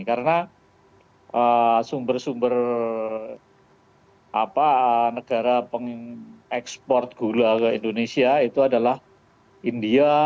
karena sumber sumber negara pengekspor gula ke indonesia itu adalah india